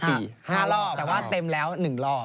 แต่ว่าเต็มแล้ว๑รอบ